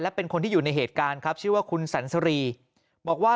เป็นคนที่อยู่ในเหตุการณ์ครับชื่อว่าคุณสันสรีบอกว่า